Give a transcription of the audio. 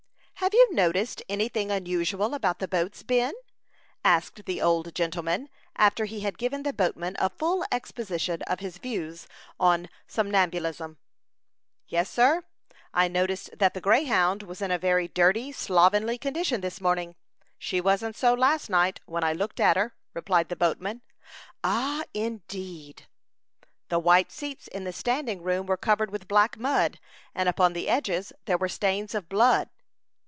"Have you noticed any thing unusual about the boats, Ben?" asked the old gentleman, after he had given the boatman a full exposition of his views on somnambulism. "Yes, sir; I noticed that the Greyhound was in a very dirty, slovenly condition this morning. She wasn't so last night, when I looked at her," replied the boatman. "Ah, indeed!" "The white seats in the standing room were covered with black mud, and upon the edges there were stains of blood."